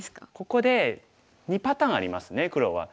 ここで２パターンありますね黒は。